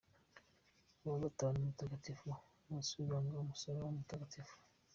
Uwa gatanu mutagatifu : nk’umunsi w’ibanga ry’Umusaraba mutagatifu.